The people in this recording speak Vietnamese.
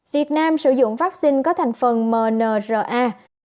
việt nam sử dụng vaccine có thành phần mnra